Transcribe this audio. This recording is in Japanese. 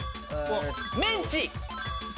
メンチ！